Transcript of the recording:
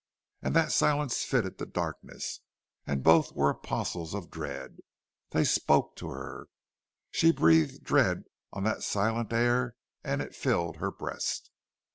And that silence fitted the darkness, and both were apostles of dread. They spoke to her. She breathed dread on that silent air and it filled her breast.